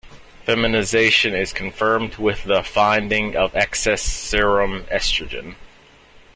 Feminization is confirmed with the finding of excess serum estrogen.